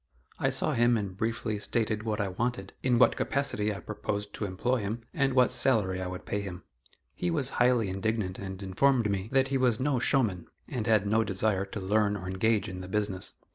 I saw him and briefly stated what I wanted, in what capacity I proposed to employ him, and what salary I would pay him. He was highly indignant and informed me that he was "no showman," and had no desire to learn or engage in the business.